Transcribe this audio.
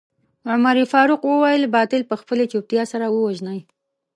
عمر فاروق وويل باطل په خپلې چوپتيا سره ووژنئ.